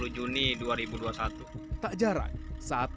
tak jarang saat eko dan komunitas syekh kali cikarang berperan